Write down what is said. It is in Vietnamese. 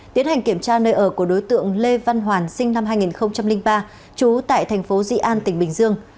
tiến hành kiểm tra nơi ở của đối tượng lê văn hoàn sinh năm hai nghìn ba trú tại thành phố dị an tỉnh bình dương